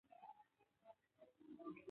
ورته ومي ویل فلسفي مطالعه پریږده،